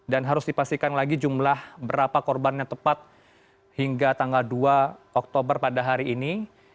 dan harus dipastikan lagi jumlah berapa korbannya tepat hingga tanggal dua oktober pada hari ini